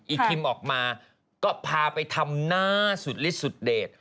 คิมออกมาก็พาไปทำหน้าสุดลิดสุดเดช